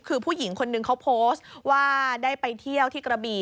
คือผู้หญิงคนนึงเขาโพสต์ว่าได้ไปเที่ยวที่กระบี่